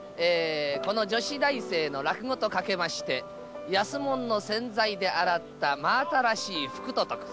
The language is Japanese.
この女子大学生の落語とかけまして、安物の洗剤で洗った真新しい服と解く。